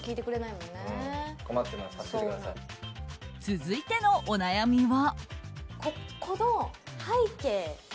続いてのお悩みは。